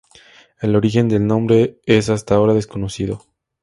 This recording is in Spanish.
El origen del nombre es hasta ahora desconocido.